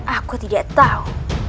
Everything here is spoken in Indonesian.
aku tidak tahu